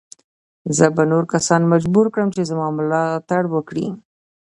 زه به نور کسان مجبور کړم چې زما ملاتړ وکړي.